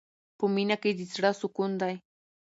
په مینه کې د زړه سکون دی.